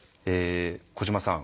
小島さん